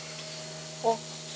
あっ。